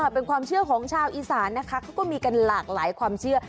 เป็นความเชื่อของชาวอีสานนะคะเขาก็มีกันหลากหลายความเชื่อ